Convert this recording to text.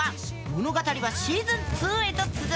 物語はシーズン２へと続く。